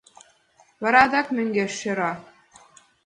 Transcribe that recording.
Вара адак мӧҥгеш шӧра.